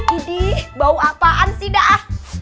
ini bau apaan sih dah